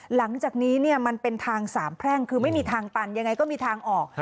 หลังจากนี้เนี่ยมันเป็นทางสามแพร่งคือไม่มีทางตันยังไงก็มีทางออก